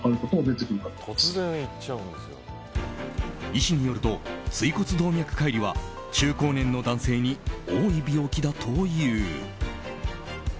医師によると右椎骨動脈解離は中高年の男性に多い病気だという。